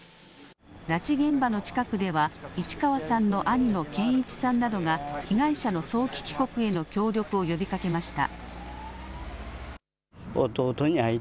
拉致現場の近くでは、市川さんの兄の健一さんなどが、被害者の早期帰国への協力を呼びかけました。